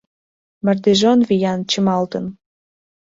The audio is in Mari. Мардежоҥ виян чымалтын